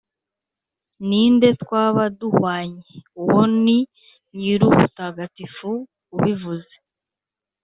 Ni nde twaba duhwanye ?» Uwo ni Nyir’ubutagatifu ubivuze.